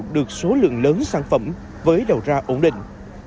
được số lượng lớn sản phẩm với đầu ra ổn định